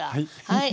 はい。